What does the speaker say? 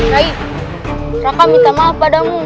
baik raka minta maaf padamu